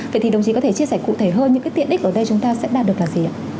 vậy thì đồng chí có thể chia sẻ cụ thể hơn những cái tiện ích ở đây chúng ta sẽ đạt được là gì ạ